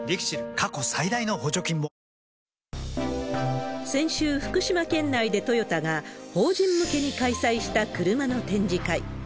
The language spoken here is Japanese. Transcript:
過去最大の補助金も先週、福島県内でトヨタが法人向けに開催した車の展示会。